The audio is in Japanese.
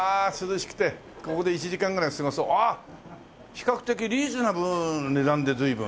比較的リーズナブルな値段で随分。